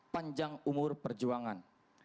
panjang umur perjuangan